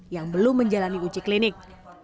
yang belum menjalani uji klinik